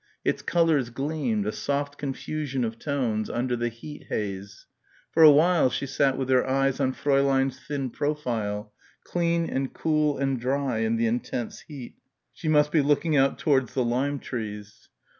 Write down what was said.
Its colours gleamed, a soft confusion of tones, under the heat haze. For a while she sat with her eyes on Fräulein's thin profile, clean and cool and dry in the intense heat ... "she must be looking out towards the lime trees."